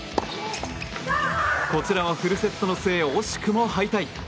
こちらはフルセットの末惜しくも敗退。